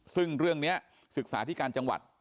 ซึ่งเรื่องนี้ศึกษาที่การจังหวัด